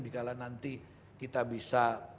bikalah nanti kita bisa